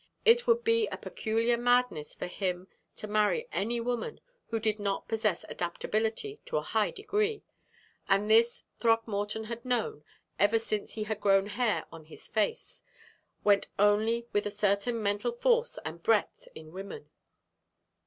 It would be a peculiar madness for him to marry any woman who did not possess adaptability in a high degree; and this Throckmorton had known, ever since he had grown hair on his face, went only with a certain mental force and breadth in women.